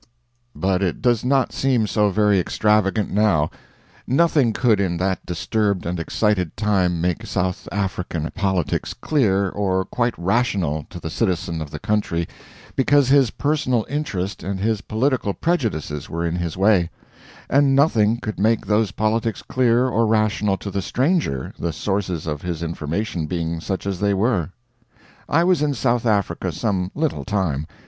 But it does not seem so very extravagant now. Nothing could in that disturbed and excited time make South African politics clear or quite rational to the citizen of the country because his personal interest and his political prejudices were in his way; and nothing could make those politics clear or rational to the stranger, the sources of his information being such as they were. I was in South Africa some little time.